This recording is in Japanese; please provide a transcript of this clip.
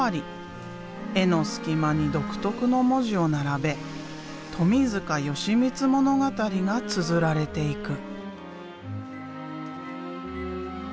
絵の隙間に独特の文字を並べ富純光物語がつづられていく。